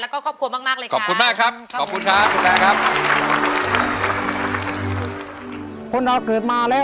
ก็ขอบคุณมากนะครับน้ำจ่ายที่ให้ก็